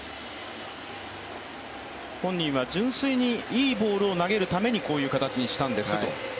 本人は純粋にいいボールを投げるためにこういう形にしたんですと。